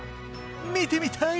見てみたい！